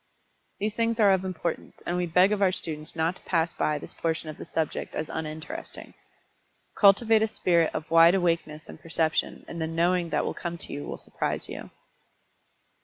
These things are of importance, and we beg of our students not to pass by this portion of the subject as uninteresting. Cultivate a spirit of wide awakeness and perception, and the "knowing" that will come to you will surprise you.